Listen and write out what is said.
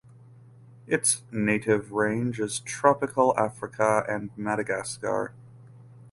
Its native range is Tropical Africa and Madagascar.